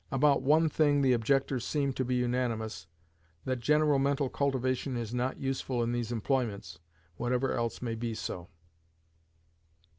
About one thing the objectors seem to be unanimous, that general mental cultivation is not useful in these employments, whatever else may be so.